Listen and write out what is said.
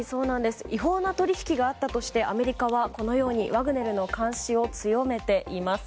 違法な取引があったとしてアメリカはこのようにワグネルの監視を強めています。